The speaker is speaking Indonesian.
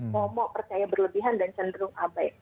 mau mau percaya berlebihan dan cenderung abai